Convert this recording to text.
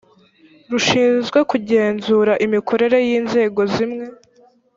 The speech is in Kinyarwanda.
rushinzwe kugenzura imikorere y inzego zimwe